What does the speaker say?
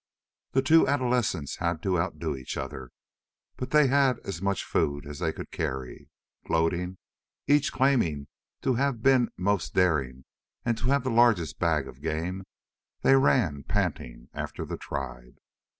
The two adolescents had to outdo each other. But they had as much food as they could carry. Gloating each claiming to have been most daring and to have the largest bag of game they ran panting after the tribe.